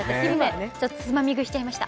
ちょっと、つまみ食いしちゃいました。